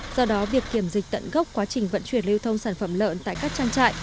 do đó việc kiểm dịch tận gốc quá trình vận chuyển lưu thông sản phẩm lợn tại các trang trại